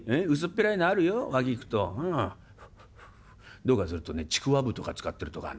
どうかするとねちくわぶとか使ってるとこあんだ。